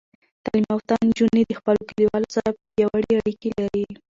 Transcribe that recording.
تعلیم یافته نجونې د خپلو کلیوالو سره پیاوړې اړیکې لري.